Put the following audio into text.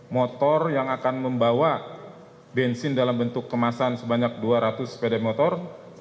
motor yang akan membawa bensin dalam bentuk kemasan sebanyak dua ratus sepeda motor